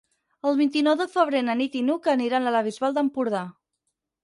El vint-i-nou de febrer na Nit i n'Hug aniran a la Bisbal d'Empordà.